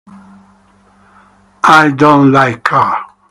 I don't like her.